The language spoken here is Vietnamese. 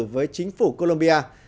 với chính phủ columbia